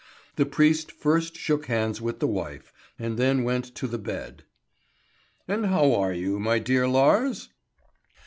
The priest first shook hands with the wife, and then went to the bed. "And how are you, my dear Lars?"